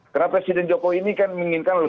karena presiden jokowi ini kan menginginkan legasi